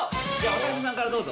渡辺さんからどうぞ。